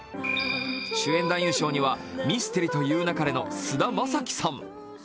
主演男優賞には「ミステリと言う勿れ」の菅田将暉さん。